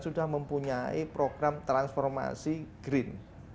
sudah mempunyai program transformasi green